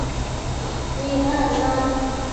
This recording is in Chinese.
西藏隙蛛为暗蛛科隙蛛属的动物。